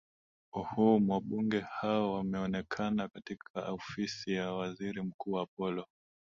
uhuum wabunge hao wameonekana katika ofisi ya waziri mkuu apolo